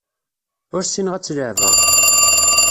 Ur ssineɣ ad tt-leɛbeɣ.